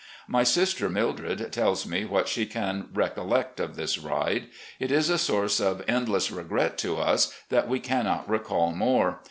My sister Mildred tells me what she can recollect of this ride. It is a source of endless regret to us that we cannot recall more.